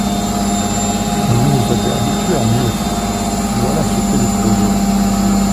Vous nous avez habitués à mieux ! Voilà ce qu’est le projet.